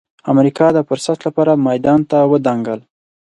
امریکا د فرصت لپاره میدان ته ودانګل.